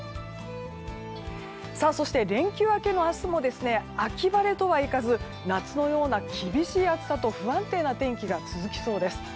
そして連休明けの明日も秋晴れとはいかず夏のような厳しい暑さと不安定な天気が続きそうです。